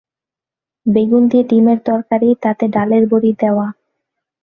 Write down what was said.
বেগুন দিয়ে ডিমের তরকারি, তাতে ডালের বড়ি দেওয়া!